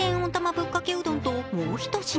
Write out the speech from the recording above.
ぶっかけうどんともうひと品。